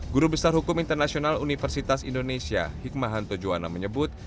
guru besar hukum internasional universitas indonesia hikmahanto juwana menyebut